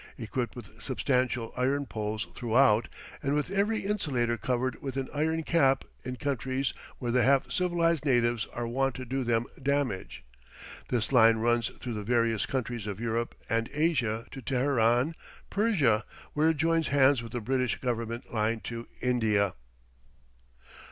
Equipped with substantial iron poles throughout, and with every insulator covered with an iron cap in countries where the half civilized natives are wont to do them damage, this line runs through the various countries of Europe and Asia to Teheran, Persia, where it joins hands with the British Government line to India.